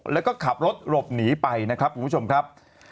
แล้วก็ขับรถหลบหนีไปนะครับคุณผู้ชมครับ